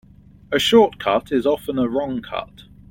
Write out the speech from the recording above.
A short cut is often a wrong cut.